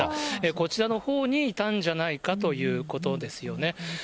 こちらのほうにいたんじゃないかということですよね。